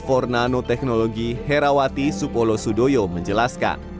dan d empat nanoteknologi herawati supolosudoyo menjelaskan